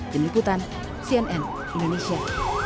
denikutan cnn indonesia